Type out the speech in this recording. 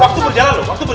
waktu berjalan lho